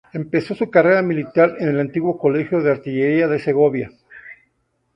Empezó su carrera militar en el antiguo Colegio de Artillería de Segovia.